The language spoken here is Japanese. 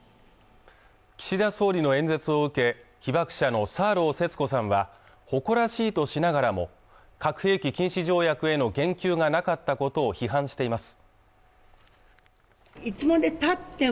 岸田総理の演説を受け被爆者のサーロー節子さんは誇らしいとしながらも核兵器禁止条約への言及がなかったことを批判しています